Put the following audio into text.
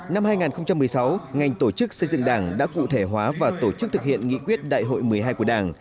năm hai nghìn một mươi sáu ngành tổ chức xây dựng đảng đã cụ thể hóa và tổ chức thực hiện nghị quyết đại hội một mươi hai của đảng